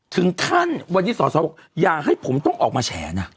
ถึงท่านวณีสอนที่๑๒อย่างให้ผมต้องออกมาแฉ๊